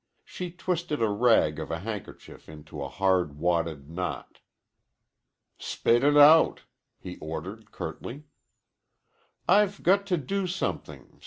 She twisted a rag of a handkerchief into a hard wadded knot. "Spit it out," he ordered curtly. "I've got to do something ...